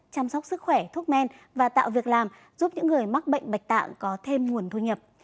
chăm sóc sức khỏe thuốc men và tạo việc làm giúp những người mắc bệnh bạch tạng có thêm nguồn thu nhập